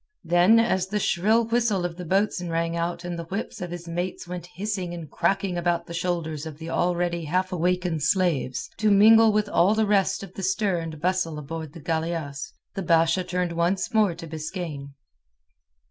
Then as the shrill whistle of the boatswain rang out and the whips of his mates went hissing and cracking about the shoulders of the already half awakened slaves, to mingle with all the rest of the stir and bustle aboard the galeasse, the Basha turned once more to Biskaine.